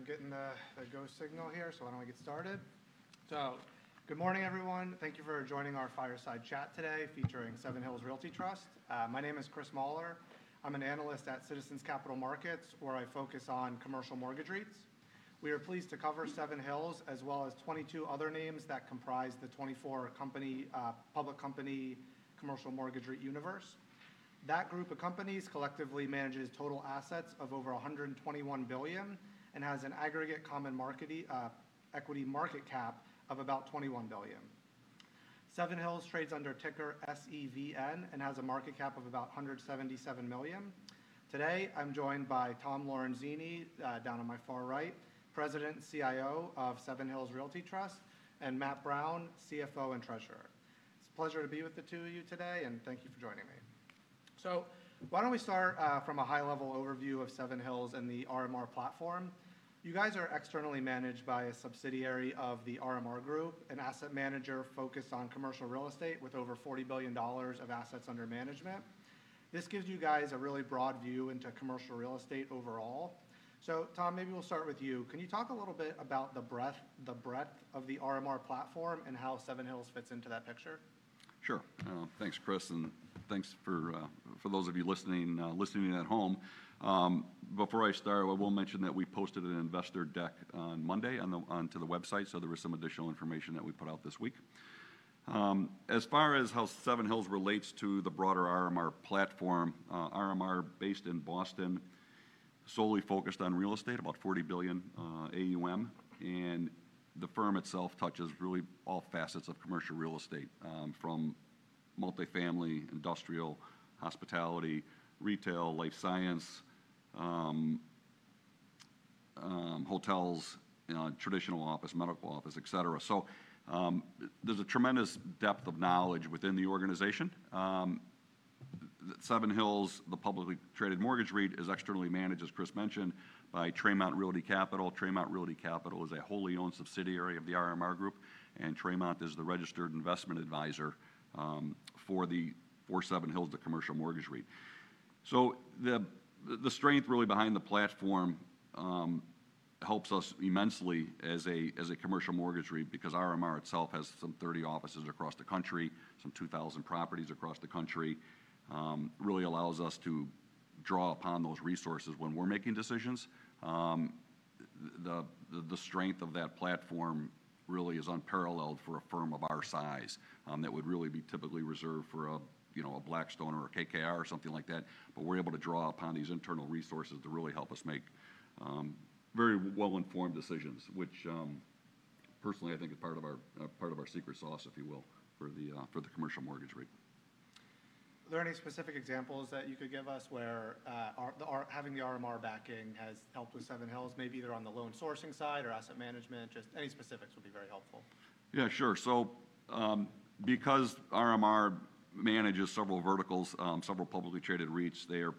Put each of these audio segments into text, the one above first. All right, I'm getting a go signal here, so why don't we get started? Good morning, everyone. Thank you for joining our fireside chat today featuring Seven Hills Realty Trust. My name is Chris Muller. I'm an analyst at Citizens Capital Markets, where I focus on commercial mortgage REITs. We are pleased to cover Seven Hills as well as 22 other names that comprise the 24 public company commercial mortgage REIT universe. That group of companies collectively manages total assets of over $121 billion and has an aggregate common equity market cap of about $21 billion. Seven Hills trades under ticker SEVN and has a market cap of about $177 million. Today, I'm joined by Tom Lorenzini down on my far right, President, CIO of Seven Hills Realty Trust, and Matt Brown, CFO and Treasurer. It's a pleasure to be with the two of you today, and thank you for joining me. Why don't we start from a high-level overview of Seven Hills and the RMR platform? You guys are externally managed by a subsidiary of the RMR Group, an asset manager focused on commercial real estate with over $40 billion of assets under management. This gives you guys a really broad view into commercial real estate overall. Tom, maybe we'll start with you. Can you talk a little bit about the breadth of the RMR platform and how Seven Hills fits into that picture? Sure. Thanks, Chris, and thanks for those of you listening at home. Before I start, I will mention that we posted an investor deck on Monday onto the website, so there was some additional information that we put out this week. As far as how Seven Hills relates to the broader RMR platform, RMR is based in Boston, solely focused on real estate, about $40 billion AUM, and the firm itself touches really all facets of commercial real estate from multifamily, industrial, hospitality, retail, life science, hotels, traditional office, medical office, et cetera. There is a tremendous depth of knowledge within the organization. Seven Hills, the publicly traded mortgage REIT, is externally managed, as Chris mentioned, by Tremont Realty Capital. Tremont Realty Capital is a wholly owned subsidiary of the RMR Group, and Tremont is the registered investment advisor for Seven Hills, the commercial mortgage REIT. The strength really behind the platform helps us immensely as a commercial mortgage REIT because RMR itself has some 30 offices across the country, some 2,000 properties across the country, really allows us to draw upon those resources when we're making decisions. The strength of that platform really is unparalleled for a firm of our size that would really be typically reserved for a Blackstone or a KKR or something like that, but we're able to draw upon these internal resources to really help us make very well-informed decisions, which personally I think is part of our secret sauce, if you will, for the commercial mortgage REIT. Are there any specific examples that you could give us where having the RMR backing has helped with Seven Hills, maybe either on the loan sourcing side or asset management? Just any specifics would be very helpful. Yeah, sure. Because RMR manages several verticals, several publicly traded REITs, they are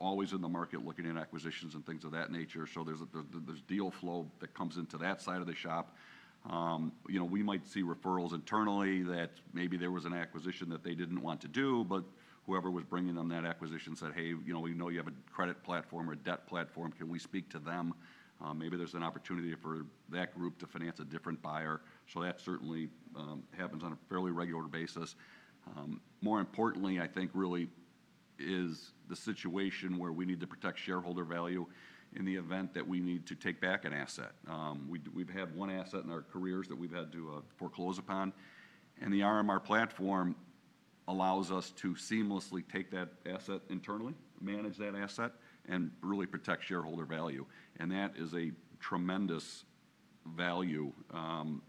always in the market looking at acquisitions and things of that nature. There is deal flow that comes into that side of the shop. We might see referrals internally that maybe there was an acquisition that they did not want to do, but whoever was bringing them that acquisition said, "Hey, we know you have a credit platform or a debt platform. Can we speak to them? Maybe there is an opportunity for that group to finance a different buyer." That certainly happens on a fairly regular basis. More importantly, I think really is the situation where we need to protect shareholder value in the event that we need to take back an asset. We've had one asset in our careers that we've had to foreclose upon, and the RMR platform allows us to seamlessly take that asset internally, manage that asset, and really protect shareholder value. That is a tremendous value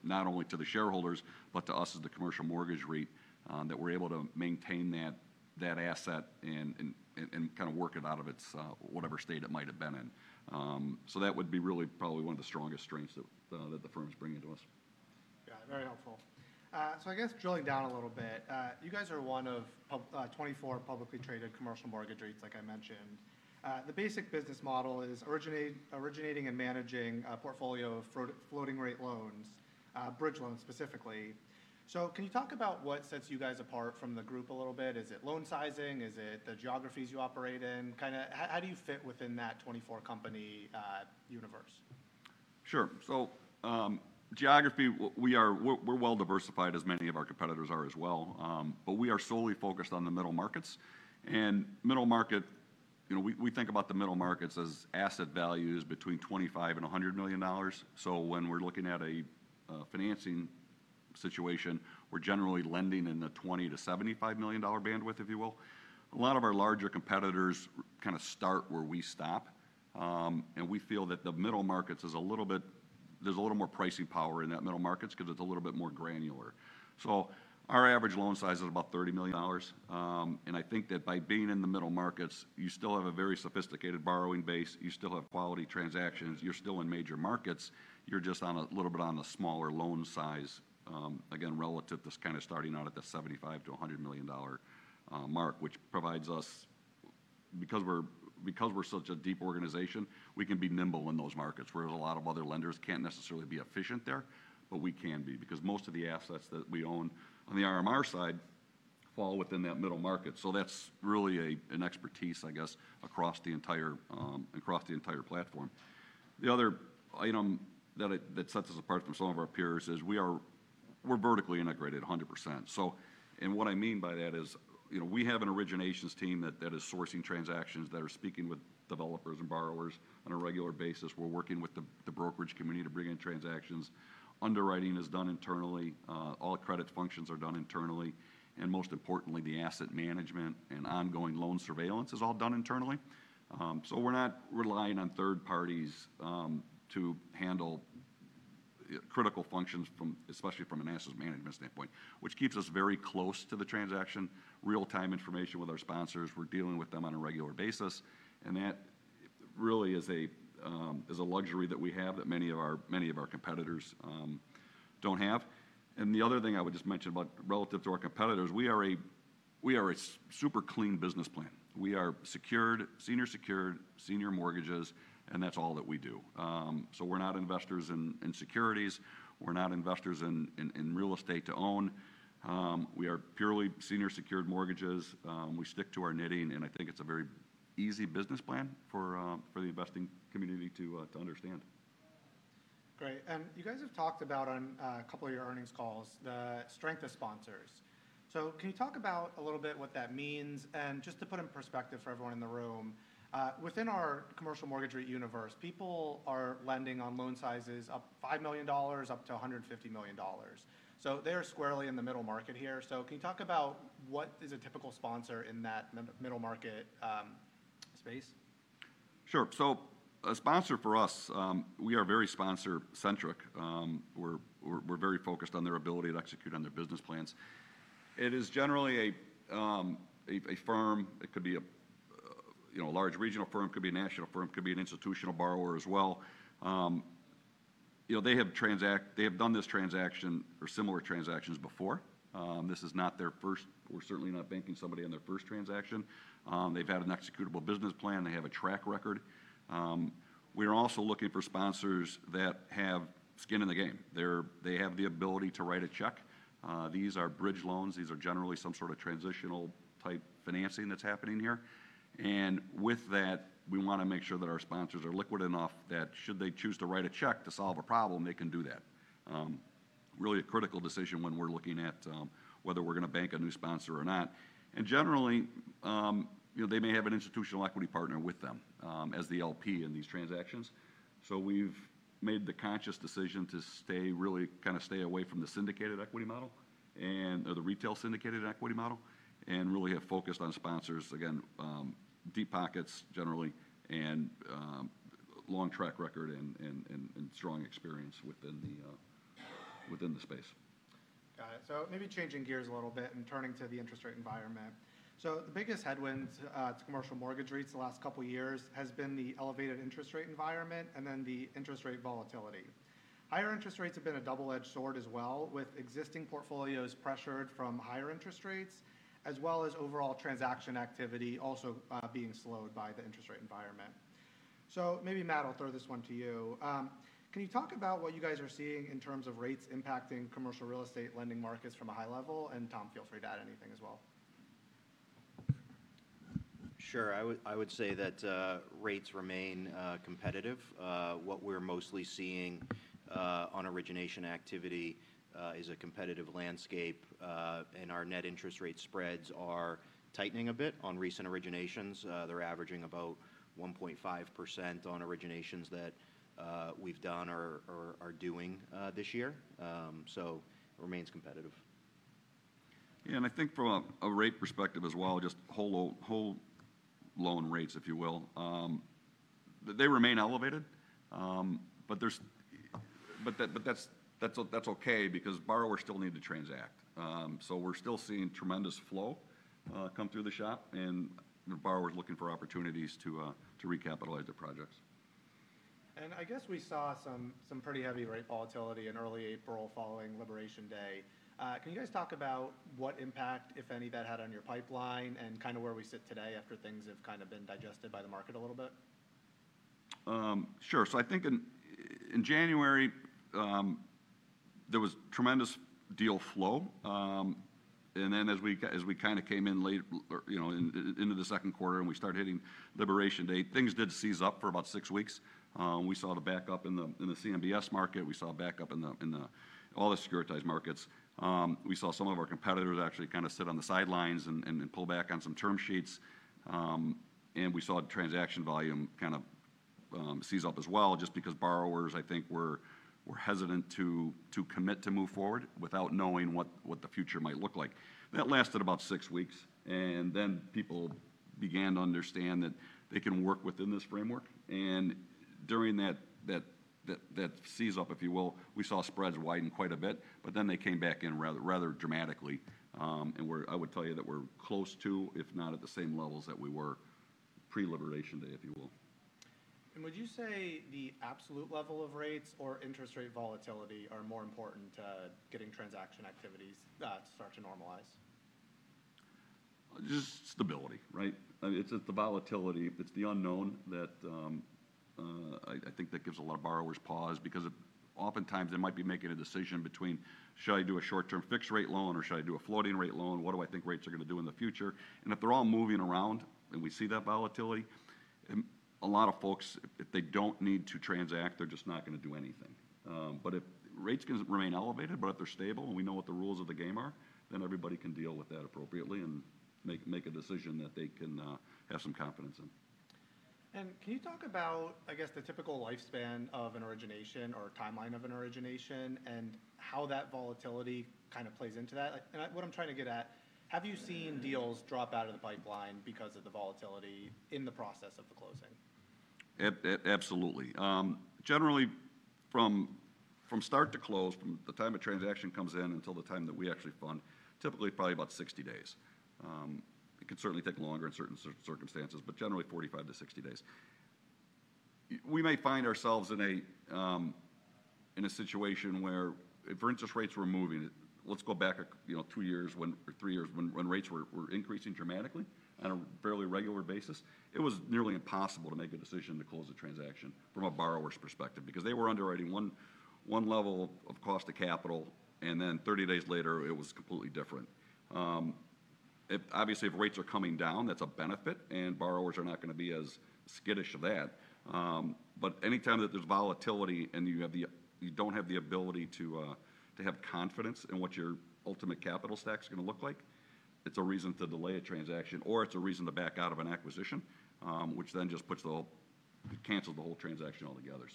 not only to the shareholders but to us as the commercial mortgage REIT that we're able to maintain that asset and kind of work it out of whatever state it might have been in. That would be really probably one of the strongest strengths that the firm is bringing to us. Yeah, very helpful. I guess drilling down a little bit, you guys are one of 24 publicly traded commercial mortgage REITs, like I mentioned. The basic business model is originating and managing a portfolio of floating rate loans, bridge loans specifically. Can you talk about what sets you guys apart from the group a little bit? Is it loan sizing? Is it the geographies you operate in? Kind of how do you fit within that 24 company universe? Sure. Geography, we're well diversified as many of our competitors are as well, but we are solely focused on the middle markets. And middle market, we think about the middle markets as asset values between $25 million and $100 million. So when we're looking at a financing situation, we're generally lending in the $20 million-$75 million bandwidth, if you will. A lot of our larger competitors kind of start where we stop, and we feel that the middle markets is a little bit, there's a little more pricing power in that middle markets because it's a little bit more granular. Our average loan size is about $30 million, and I think that by being in the middle markets, you still have a very sophisticated borrowing base, you still have quality transactions, you're still in major markets, you're just a little bit on the smaller loan size, again, relative to kind of starting out at the $75-$100 million mark, which provides us, because we're such a deep organization, we can be nimble in those markets whereas a lot of other lenders can't necessarily be efficient there, but we can be because most of the assets that we own on the RMR side fall within that middle market. That's really an expertise, I guess, across the entire platform. The other item that sets us apart from some of our peers is we're vertically integrated 100%. What I mean by that is we have an originations team that is sourcing transactions that are speaking with developers and borrowers on a regular basis. We're working with the brokerage community to bring in transactions. Underwriting is done internally. All credit functions are done internally. Most importantly, the asset management and ongoing loan surveillance is all done internally. We're not relying on third parties to handle critical functions, especially from an asset management standpoint, which keeps us very close to the transaction, real-time information with our sponsors. We're dealing with them on a regular basis, and that really is a luxury that we have that many of our competitors don't have. The other thing I would just mention relative to our competitors, we are a super clean business plan. We are secured, senior secured, senior mortgages, and that's all that we do. We're not investors in securities. We're not investors in real estate to own. We are purely senior secured mortgages. We stick to our knitting, and I think it's a very easy business plan for the investing community to understand. Great. You guys have talked about on a couple of your earnings calls the strength of sponsors. Can you talk about a little bit what that means? Just to put in perspective for everyone in the room, within our commercial mortgage REIT universe, people are lending on loan sizes up $5 million up to $150 million. They are squarely in the middle market here. Can you talk about what is a typical sponsor in that middle market space? Sure. A sponsor for us, we are very sponsor-centric. We are very focused on their ability to execute on their business plans. It is generally a firm. It could be a large regional firm, could be a national firm, could be an institutional borrower as well. They have done this transaction or similar transactions before. This is not their first. We are certainly not banking somebody on their first transaction. They have had an executable business plan. They have a track record. We are also looking for sponsors that have skin in the game. They have the ability to write a check. These are bridge loans. These are generally some sort of transitional type financing that is happening here. With that, we want to make sure that our sponsors are liquid enough that should they choose to write a check to solve a problem, they can do that. Really a critical decision when we're looking at whether we're going to bank a new sponsor or not. Generally, they may have an institutional equity partner with them as the LP in these transactions. We've made the conscious decision to really kind of stay away from the syndicated equity model or the retail syndicated equity model and really have focused on sponsors, again, deep pockets generally and long track record and strong experience within the space. Got it. Maybe changing gears a little bit and turning to the interest rate environment. The biggest headwinds to commercial mortgage rates the last couple of years has been the elevated interest rate environment and then the interest rate volatility. Higher interest rates have been a double-edged sword as well, with existing portfolios pressured from higher interest rates as well as overall transaction activity also being slowed by the interest rate environment. Maybe Matt, I'll throw this one to you. Can you talk about what you guys are seeing in terms of rates impacting commercial real estate lending markets from a high level? Tom, feel free to add anything as well. Sure. I would say that rates remain competitive. What we're mostly seeing on origination activity is a competitive landscape, and our net interest rate spreads are tightening a bit on recent originations. They're averaging about 1.5% on originations that we've done or are doing this year. It remains competitive. Yeah, and I think from a rate perspective as well, just whole loan rates, if you will, they remain elevated, but that's okay because borrowers still need to transact. We are still seeing tremendous flow come through the shop, and the borrower is looking for opportunities to recapitalize their projects. I guess we saw some pretty heavy rate volatility in early April following Liberation Day. Can you guys talk about what impact, if any, that had on your pipeline and kind of where we sit today after things have kind of been digested by the market a little bit? Sure. I think in January, there was tremendous deal flow. As we kind of came in late into the second quarter and we started hitting Liberation Day, things did seize up for about six weeks. We saw the backup in the CMBS market. We saw backup in all the securitized markets. We saw some of our competitors actually kind of sit on the sidelines and pull back on some term sheets. We saw transaction volume kind of seize up as well just because borrowers, I think, were hesitant to commit to move forward without knowing what the future might look like. That lasted about six weeks, and then people began to understand that they can work within this framework. During that seize up, if you will, we saw spreads widen quite a bit, but then they came back in rather dramatically. I would tell you that we're close to, if not at the same levels that we were pre-Liberation Day, if you will. Would you say the absolute level of rates or interest rate volatility are more important to getting transaction activities to start to normalize? Just stability, right? It's the volatility. It's the unknown that I think that gives a lot of borrowers pause because oftentimes they might be making a decision between, "Should I do a short-term fixed rate loan or should I do a floating rate loan? What do I think rates are going to do in the future?" If they're all moving around and we see that volatility, a lot of folks, if they do not need to transact, they're just not going to do anything. If rates can remain elevated, but if they're stable and we know what the rules of the game are, then everybody can deal with that appropriately and make a decision that they can have some confidence in. Can you talk about, I guess, the typical lifespan of an origination or timeline of an origination and how that volatility kind of plays into that? What I'm trying to get at, have you seen deals drop out of the pipeline because of the volatility in the process of the closing? Absolutely. Generally, from start to close, from the time a transaction comes in until the time that we actually fund, typically probably about 60 days. It can certainly take longer in certain circumstances, but generally 45-60 days. We may find ourselves in a situation where if interest rates were moving, let's go back two years or three years when rates were increasing dramatically on a fairly regular basis, it was nearly impossible to make a decision to close a transaction from a borrower's perspective because they were underwriting one level of cost of capital, and then 30 days later, it was completely different. Obviously, if rates are coming down, that's a benefit, and borrowers are not going to be as skittish of that. Anytime that there's volatility and you don't have the ability to have confidence in what your ultimate capital stack is going to look like, it's a reason to delay a transaction or it's a reason to back out of an acquisition, which then just puts the whole transaction altogether.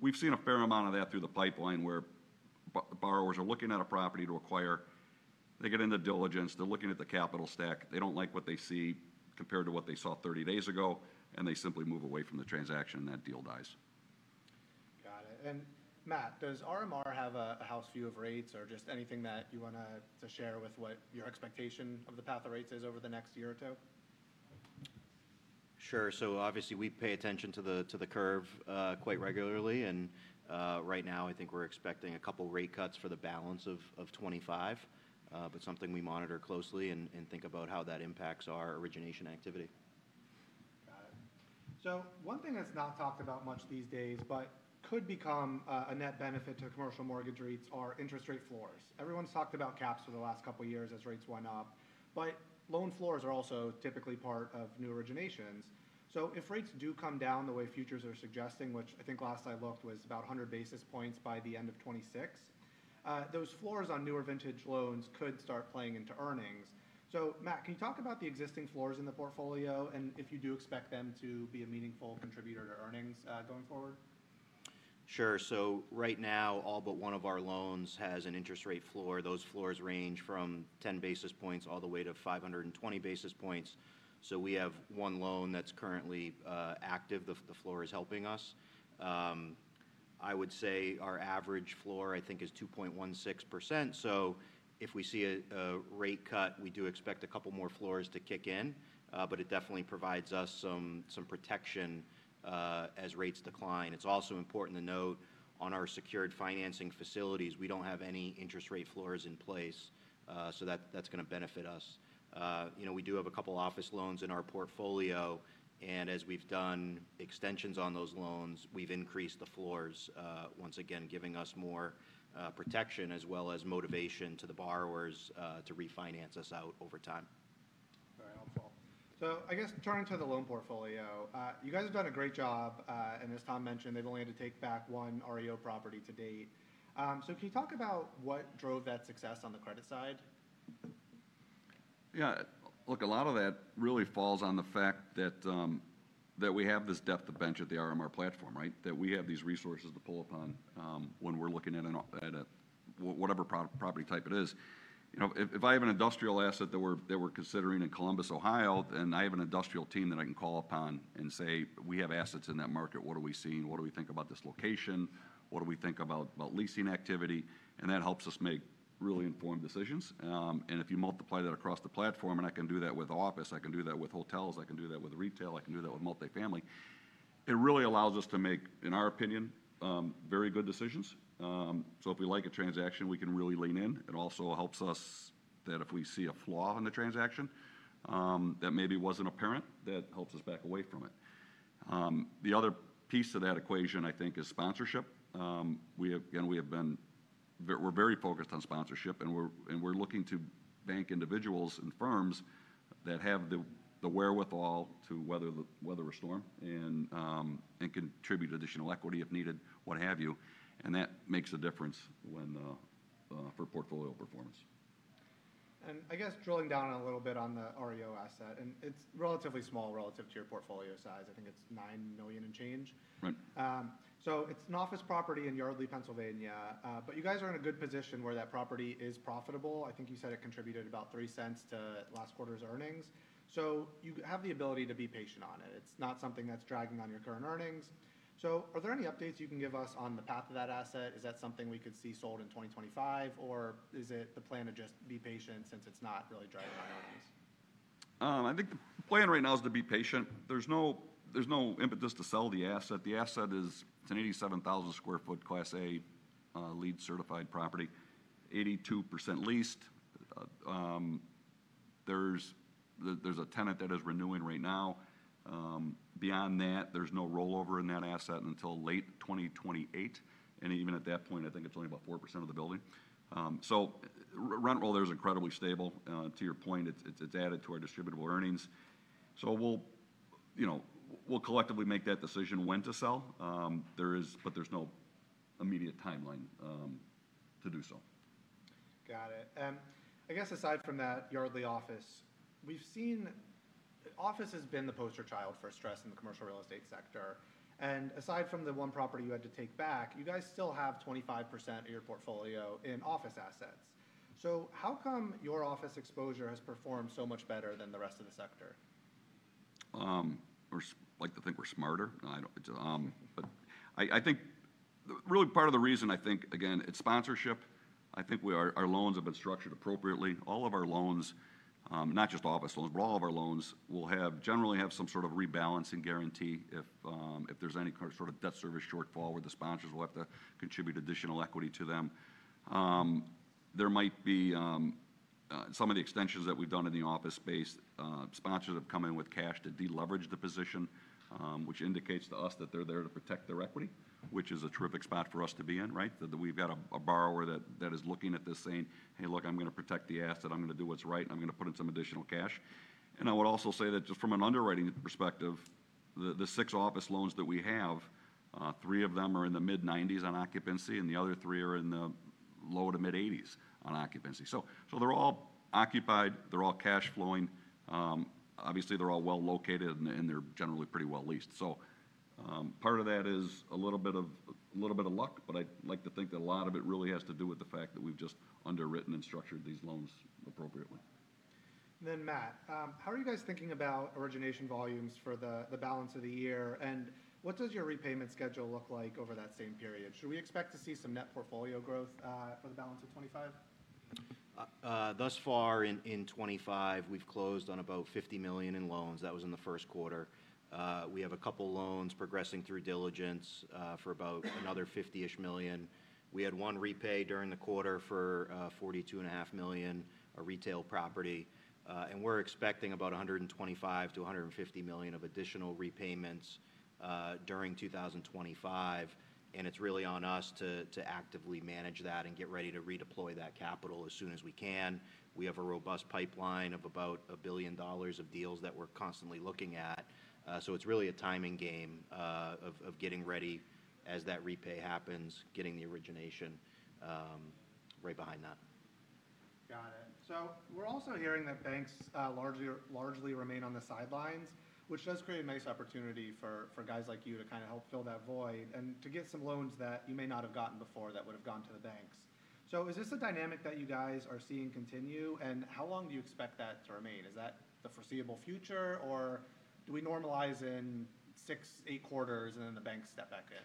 We have seen a fair amount of that through the pipeline where borrowers are looking at a property to acquire, they get into diligence, they're looking at the capital stack, they don't like what they see compared to what they saw 30 days ago, and they simply move away from the transaction and that deal dies. Got it. Matt, does RMR have a house view of rates or just anything that you want to share with what your expectation of the path of rates is over the next year or two? Sure. Obviously, we pay attention to the curve quite regularly. Right now, I think we're expecting a couple of rate cuts for the balance of 2025, but something we monitor closely and think about how that impacts our origination activity. Got it. One thing that's not talked about much these days, but could become a net benefit to commercial mortgage rates, are interest rate floors. Everyone's talked about caps for the last couple of years as rates went up, but loan floors are also typically part of new originations. If rates do come down the way futures are suggesting, which I think last I looked was about 100 basis points by the end of 2026, those floors on newer vintage loans could start playing into earnings. Matt, can you talk about the existing floors in the portfolio and if you do expect them to be a meaningful contributor to earnings going forward? Sure. Right now, all but one of our loans has an interest rate floor. Those floors range from 10 basis points all the way to 520 basis points. We have one loan that's currently active. The floor is helping us. I would say our average floor, I think, is 2.16%. If we see a rate cut, we do expect a couple more floors to kick in, but it definitely provides us some protection as rates decline. It's also important to note on our secured financing facilities, we do not have any interest rate floors in place, so that's going to benefit us. We do have a couple of office loans in our portfolio, and as we've done extensions on those loans, we've increased the floors once again, giving us more protection as well as motivation to the borrowers to refinance us out over time. Very helpful. I guess turning to the loan portfolio, you guys have done a great job, and as Tom mentioned, they've only had to take back one REO property to date. Can you talk about what drove that success on the credit side? Yeah. Look, a lot of that really falls on the fact that we have this depth of bench at the RMR platform, right? That we have these resources to pull upon when we're looking at whatever property type it is. If I have an industrial asset that we're considering in Columbus, Ohio, then I have an industrial team that I can call upon and say, "We have assets in that market. What are we seeing? What do we think about this location? What do we think about leasing activity?" That helps us make really informed decisions. If you multiply that across the platform, I can do that with office, I can do that with hotels, I can do that with retail, I can do that with multifamily, it really allows us to make, in our opinion, very good decisions. If we like a transaction, we can really lean in. It also helps us that if we see a flaw in the transaction that maybe was not apparent, that helps us back away from it. The other piece of that equation, I think, is sponsorship. Again, we have been very focused on sponsorship, and we are looking to bank individuals and firms that have the wherewithal to weather a storm and contribute additional equity if needed, what have you. That makes a difference for portfolio performance. I guess drilling down a little bit on the REO asset, and it's relatively small relative to your portfolio size. I think it's $9 million and change. It's an office property in Yardley, Pennsylvania, but you guys are in a good position where that property is profitable. I think you said it contributed about $0.03 to last quarter's earnings. You have the ability to be patient on it. It's not something that's dragging on your current earnings. Are there any updates you can give us on the path of that asset? Is that something we could see sold in 2025, or is it the plan to just be patient since it's not really dragging on earnings? I think the plan right now is to be patient. There's no impetus to sell the asset. The asset is an 87,000 sq ft Class A LEED-certified property, 82% leased. There's a tenant that is renewing right now. Beyond that, there's no rollover in that asset until late 2028. Even at that point, I think it's only about 4% of the building. Rent roll there is incredibly stable. To your point, it's added to our distributable earnings. We'll collectively make that decision when to sell, but there's no immediate timeline to do so. Got it. I guess aside from that Yardley office, we've seen office has been the poster child for stress in the commercial real estate sector. Aside from the one property you had to take back, you guys still have 25% of your portfolio in office assets. How come your office exposure has performed so much better than the rest of the sector? I like to think we're smarter, but I think really part of the reason I think, again, it's sponsorship. I think our loans have been structured appropriately. All of our loans, not just office loans, but all of our loans will generally have some sort of rebalancing guarantee if there's any sort of debt service shortfall where the sponsors will have to contribute additional equity to them. There might be some of the extensions that we've done in the office space, sponsors have come in with cash to deleverage the position, which indicates to us that they're there to protect their equity, which is a terrific spot for us to be in, right? That we've got a borrower that is looking at this saying, "Hey, look, I'm going to protect the asset. I'm going to do what's right, and I'm going to put in some additional cash. I would also say that just from an underwriting perspective, the six office loans that we have, three of them are in the mid-90s on occupancy, and the other three are in the low to mid-80s on occupancy. They are all occupied. They are all cash flowing. Obviously, they are all well located, and they are generally pretty well leased. Part of that is a little bit of luck, but I'd like to think that a lot of it really has to do with the fact that we've just underwritten and structured these loans appropriately. Matt, how are you guys thinking about origination volumes for the balance of the year? What does your repayment schedule look like over that same period? Should we expect to see some net portfolio growth for the balance of 2025? Thus far in 2025, we've closed on about $50 million in loans. That was in the first quarter. We have a couple of loans progressing through diligence for about another $50-ish million. We had one repay during the quarter for $42.5 million, a retail property. We are expecting about $125-$150 million of additional repayments during 2025. It is really on us to actively manage that and get ready to redeploy that capital as soon as we can. We have a robust pipeline of about $1 billion of deals that we are constantly looking at. It is really a timing game of getting ready as that repay happens, getting the origination right behind that. Got it. We're also hearing that banks largely remain on the sidelines, which does create a nice opportunity for guys like you to kind of help fill that void and to get some loans that you may not have gotten before that would have gone to the banks. Is this a dynamic that you guys are seeing continue? How long do you expect that to remain? Is that the foreseeable future, or do we normalize in six, eight quarters and then the banks step back in?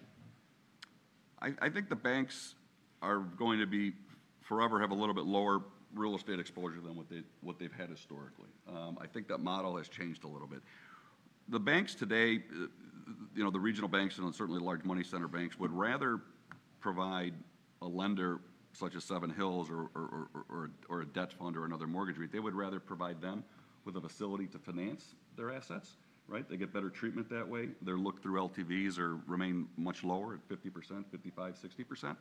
I think the banks are going to be forever have a little bit lower real estate exposure than what they've had historically. I think that model has changed a little bit. The banks today, the regional banks and certainly large money center banks would rather provide a lender such as Seven Hills or a debt fund or another mortgage REIT. They would rather provide them with a facility to finance their assets, right? They get better treatment that way. Their look-through LTVs remain much lower at 50%, 55%,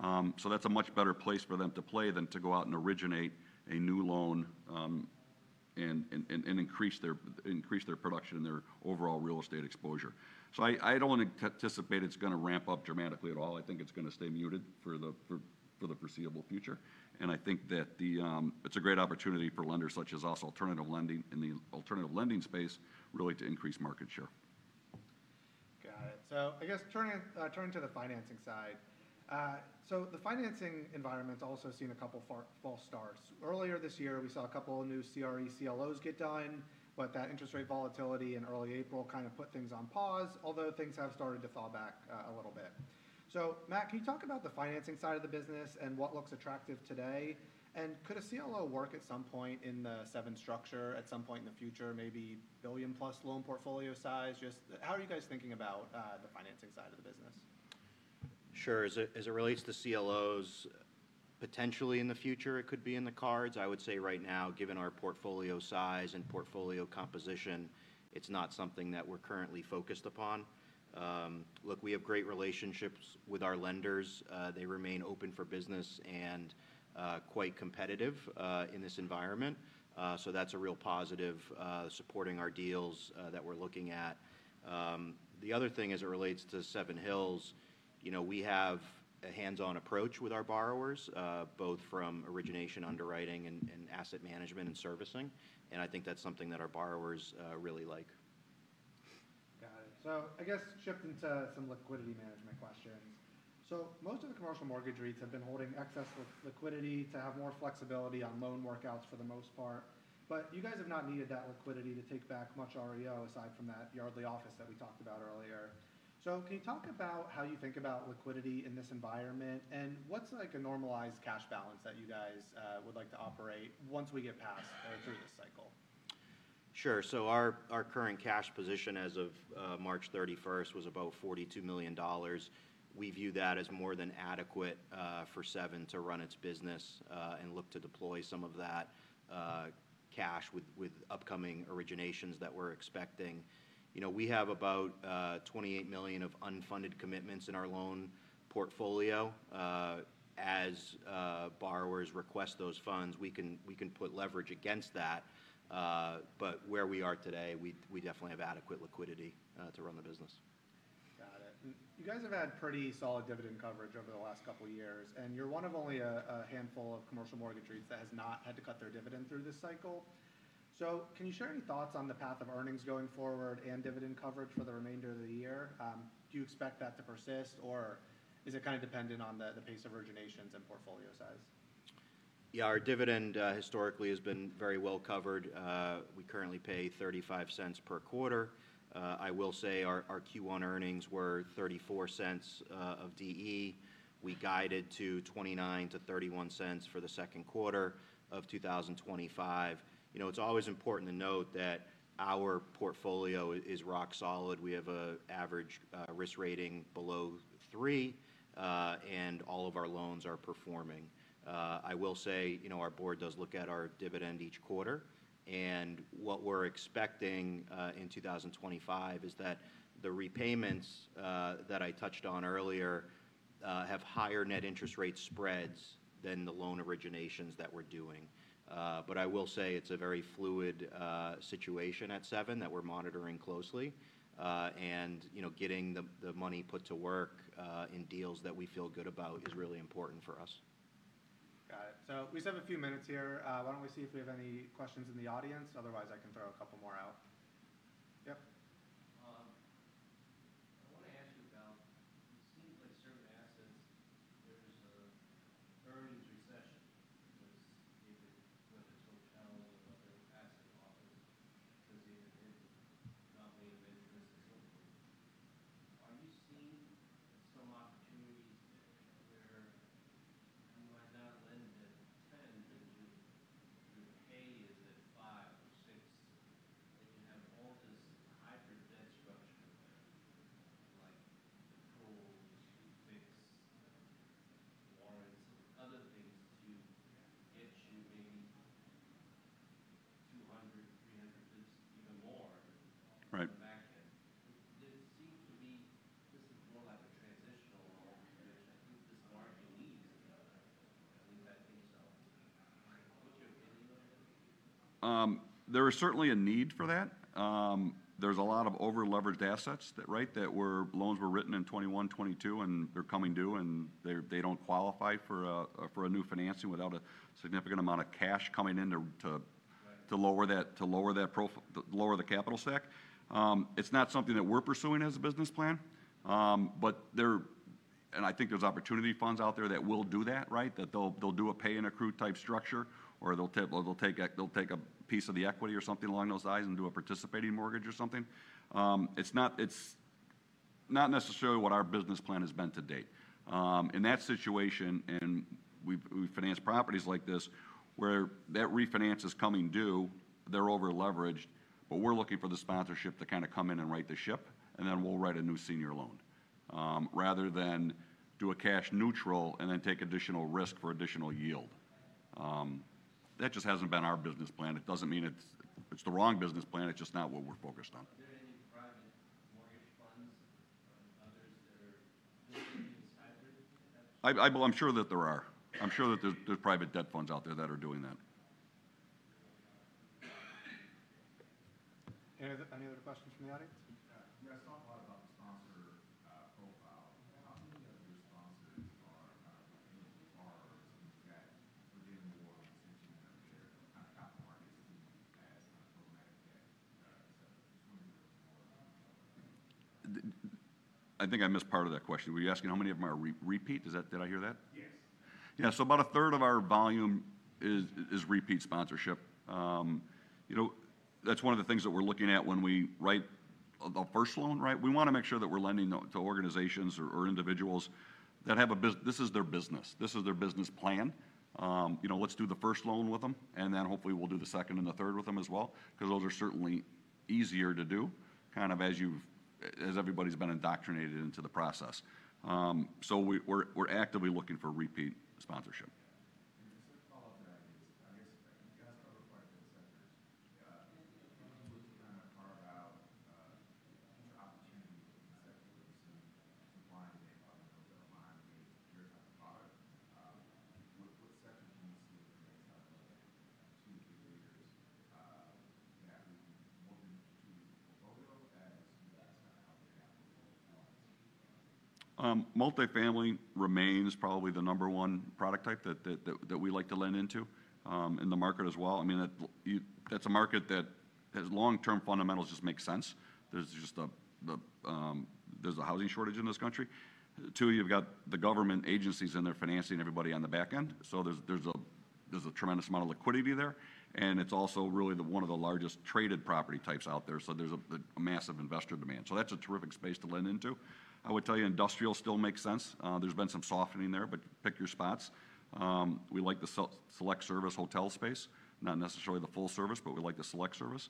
60%. That's a much better place for them to play than to go out and originate a new loan and increase their production and their overall real estate exposure. I don't anticipate it's going to ramp up dramatically at all. I think it's going to stay muted for the foreseeable future. I think that it's a great opportunity for lenders such as us, alternative lending in the alternative lending space, really to increase market share. Got it. I guess turning to the financing side, the financing environment's also seen a couple of false starts. Earlier this year, we saw a couple of new CRE CLOs get done, but that interest rate volatility in early April kind of put things on pause, although things have started to fall back a little bit. Matt, can you talk about the financing side of the business and what looks attractive today? Could a CLO work at some point in the Seven structure at some point in the future, maybe billion-plus loan portfolio size? Just how are you guys thinking about the financing side of the business? Sure. As it relates to CLOs, potentially in the future, it could be in the cards. I would say right now, given our portfolio size and portfolio composition, it's not something that we're currently focused upon. Look, we have great relationships with our lenders. They remain open for business and quite competitive in this environment. That's a real positive supporting our deals that we're looking at. The other thing as it relates to Seven Hills, we have a hands-on approach with our borrowers, both from origination, underwriting, and asset management and servicing. I think that's something that our borrowers really like. Got it. I guess shifting to some liquidity management questions. Most of the commercial mortgage REITs have been holding excess liquidity to have more flexibility on loan workouts for the most part, but you guys have not needed that liquidity to take back much REO aside from that Yardley office that we talked about earlier. Can you talk about how you think about liquidity in this environment and what's like a normalized cash balance that you guys would like to operate once we get past or through this cycle? Sure. Our current cash position as of March 31 was about $42 million. We view that as more than adequate for Seven Hills Realty Trust to run its business and look to deploy some of that cash with upcoming originations that we're expecting. We have about $28 million of unfunded commitments in our loan portfolio. As borrowers request those funds, we can put leverage against that. Where we are today, we definitely have adequate liquidity to run the business. Got it. You guys have had pretty solid dividend coverage over the last couple of years, and you're one of only a handful of commercial mortgage REITs that has not had to cut their dividend through this cycle. So can you share any thoughts on the path of earnings going forward and dividend coverage for the remainder of the year? Do you expect that to persist, or is it kind of dependent on the pace of originations and portfolio size? Yeah, our dividend historically has been very well covered. We currently pay $0.35 per quarter. I will say our Q1 earnings were $0.34 of DE. We guided to $0.29-$0.31 for the second quarter of 2025. It's always important to note that our portfolio is rock solid. We have an average risk rating below three, and all of our loans are performing. I will say our board does look at our dividend each quarter, and what we're expecting in 2025 is that the repayments that I touched on earlier have higher net interest rate spreads than the loan originations that we're doing. I will say it's a very fluid situation at Seven that we're monitoring closely, and getting the money put to work in deals that we feel good about is really important for us. Got it. So we just have a few minutes here. Why don't we see if we have any questions in the audience? Otherwise, I can throw a couple more out. or they'll take a piece of the equity or something along those lines and do a participating mortgage or something. It's not necessarily what our business plan has been to date. In that situation, and we finance properties like this where that refinance is coming due, they're overleveraged, but we're looking for the sponsorship to kind of come in and right the ship, and then we'll write a new senior loan rather than do a cash neutral and then take additional risk for additional yield. That just hasn't been our business plan. It doesn't mean it's the wrong business plan. It's just not what we're focused on. Is there any private mortgage funds from others that are hybrid? I'm sure that there are. I'm sure that there's private debt funds out there that are doing that. Any other questions from the audience? We talked a lot about the sponsor profile. How many of your sponsors are borrowers and debt within the warrants that you have there? Kind of how far do you see as a problematic debt setup? Just want to hear more about that. I think I missed part of that question. Were you asking how many of them are repeat? Did I hear that? Yes. Yeah. About a third of our volume is repeat sponsorship. That's one of the things that we're looking at when we write the first loan, right? We want to make sure that we're lending to organizations or individuals that have a business. This is their business. This is their business plan. Let's do the first loan with them, and then hopefully we'll do the second and the third with them as well because those are certainly easier to do kind of as everybody's been indoctrinated into the process. We're actively looking for repeat sponsorship. Just a follow-up to that, I guess you guys cover quite a bit of sectors. One of those kind of carve-out opportunity sectors and supply and demand that will come behind your type of product. What sector do you see as the next type of two to three years that will be more than two portfolio as you guys have out there now for both LLCs? Multifamily remains probably the number one product type that we like to lend into in the market as well. I mean, that's a market that has long-term fundamentals just make sense. There's just a housing shortage in this country. Two, you've got the government agencies and they're financing everybody on the back end. There's a tremendous amount of liquidity there. It's also really one of the largest traded property types out there. There's a massive investor demand. That's a terrific space to lend into. I would tell you industrial still makes sense. There's been some softening there, but pick your spots. We like the select service hotel space, not necessarily the full service, but we like the select service.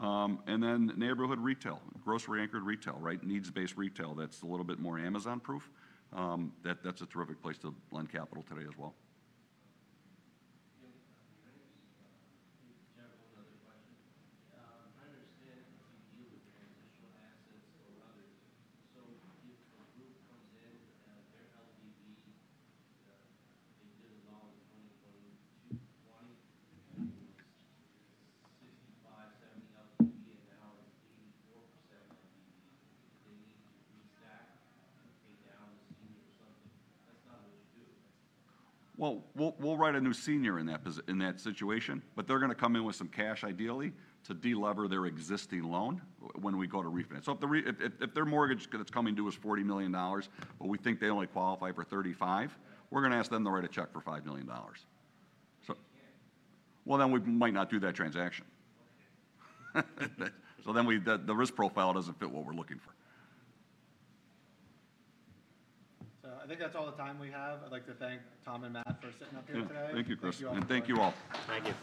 Neighborhood retail, grocery-anchored retail, right? Needs-based retail that's a little bit more Amazon-proof. That's a terrific place to lend capital today as well. If you have one other question. I understand you deal with transitional assets or others. If a group comes in, their LTV, they did a loan in 2020, it was 65%-70% LTV, and now it's 84% LTV. They need to restack and pay down the senior or something. That's not what you do. We will write a new senior in that situation, but they are going to come in with some cash ideally to deliver their existing loan when we go to refinance. If their mortgage that is coming due is $40 million, but we think they only qualify for $35 million, we are going to ask them to write a check for $5 million. We might not do that transaction. The risk profile does not fit what we are looking for. I think that's all the time we have. I'd like to thank Tom and Matt for sitting up here today. Thank you, Chris. Thank you all. Thank you.